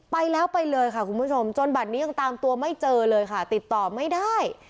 ไปแล้วไปเลยค่ะคุณผู้ชมจนบัตรนี้ยังตามตัวไม่เจอเลยค่ะติดต่อไม่ได้